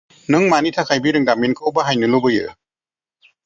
नों मानि थाखाय बिरोंदामिनखौ बाहायनो लुबैयो?